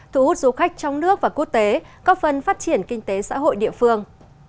thu hút du khách trong nước và quốc tế có phần phát triển kinh tế xã hội địa phương